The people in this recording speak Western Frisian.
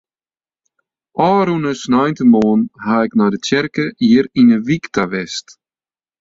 Ofrûne sneintemoarn haw ik nei de tsjerke hjir yn de wyk ta west.